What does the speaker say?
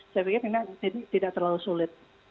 saya pikir ini tidak terlalu sulit